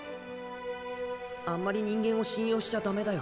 あんまり人間を信用しちゃダメだよ。